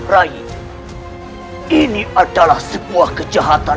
ray ini adalah sebuah kejahatan